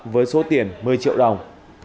với số tiền một mươi triệu đồng